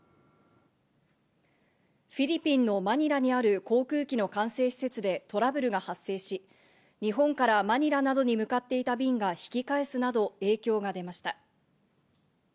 フィリピンのマニラにある航空機の管制施設でトラブルが発生し、日本からマニラなどに向かっていた便が引き返すなど影響が出ました。